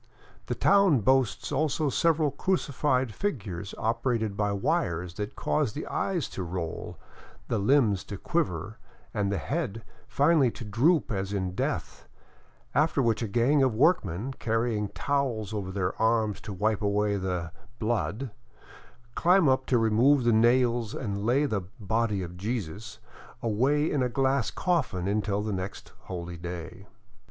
The town boasts also several crucified figures operated by wires that cause the eyes to roll, the limbs to quiver, and the head finally to droop as in death, after which a gang of workmen, carrying towels over their arms to wipe away the blood," climb up to remove the nails and lay the " body of Jesus " away in a glass coffin until the next holy day.